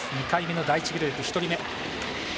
２回目の第１グループ１人目。